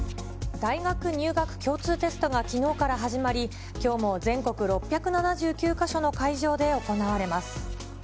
大学入学共通テストがきのうから始まり、きょうも全国６７９か所の会場で行われます。